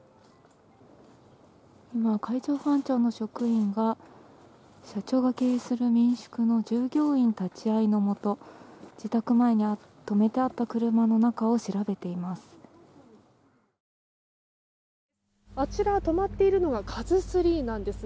今、海上保安庁の職員が社長が経営する民宿の従業員立ち会いのもと自宅前に止めてあった車の中を調べています。